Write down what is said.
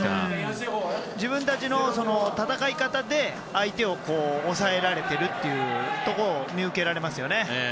自分たちの戦い方で相手を抑えられているところが見受けられますよね。